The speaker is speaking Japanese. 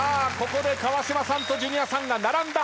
ここで川島さんとジュニアさんが並んだ！